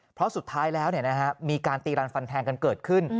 เพราะสุดท้ายแล้วมีการตีรันฟันแทงกันเกิดขึ้น